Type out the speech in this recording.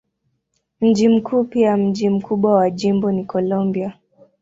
Mji mkuu pia mji mkubwa wa jimbo ni Columbia.